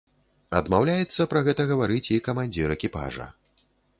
Адмаўляецца пра гэта гаварыць і камандзір экіпажа.